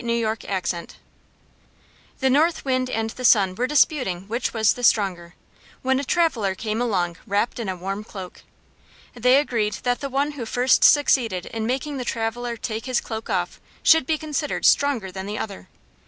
Orthographic version The North Wind and the Sun were disputing which was the stronger, when a traveler came along wrapped in a warm cloak. They agreed that the one who first succeeded in making the traveler take his cloak off should be considered stronger than the other.